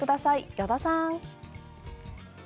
依田さん。